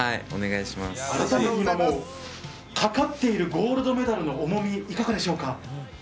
改めまして、かかっているゴールドメダルの重み、いかがでしょうか。